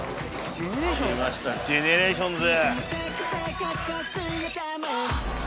きましたＧＥＮＥＲＡＴＩＯＮＳ。